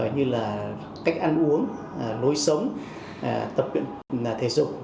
như là cách ăn uống nối sống tập thể dụng